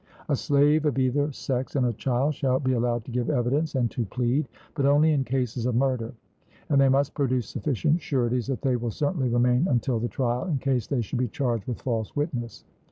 A slave of either sex and a child shall be allowed to give evidence and to plead, but only in cases of murder; and they must produce sufficient sureties that they will certainly remain until the trial, in case they should be charged with false witness.